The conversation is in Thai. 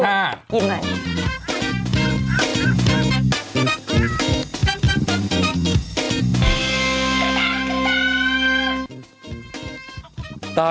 กลับมา